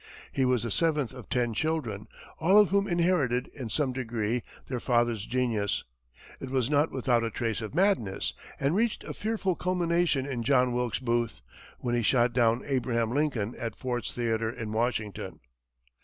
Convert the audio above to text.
He was the seventh of ten children, all of whom inherited, in some degree, their father's genius. It was not without a trace of madness, and reached a fearful culmination in John Wilkes Booth, when he shot down Abraham Lincoln at Ford's Theatre in Washington.